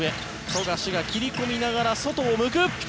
富樫が切り込みながら外を向く。